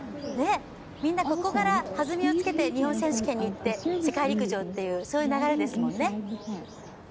みんな、ここから弾みをつけて日本選手権にいって、世界陸上というそういう流れですもんね。